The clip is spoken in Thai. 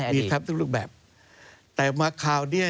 มีทุกรูปแบบแล้วในอดีต